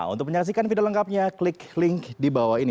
untuk menyaksikan video lengkapnya klik link di bawah ini